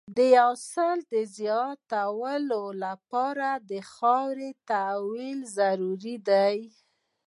د حاصل د زیاتوالي لپاره د خاورې تحلیل ضروري دی.